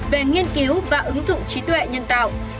về nghiên cứu và ứng dụng trí tuệ nhân tạo